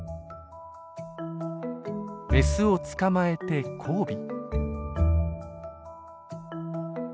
メスを捕まえて交尾。